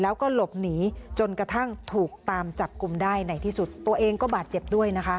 แล้วก็กินเหล้าเต้นลำสนุกสนานข้างเวที